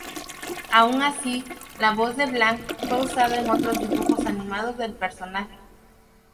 Aun así, la voz de Blanc fue usada en otros dibujos animados del personaje.